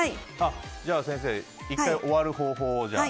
じゃあ先生、１回終わる方法を。